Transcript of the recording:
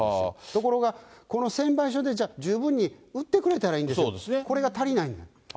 ところが、この専売所でじゃあ、十分に売ってくれたらいいんですけど、これが足りない。